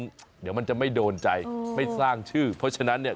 เดี๋ยวมันจะไม่โดนใจไม่สร้างชื่อเพราะฉะนั้นเนี่ย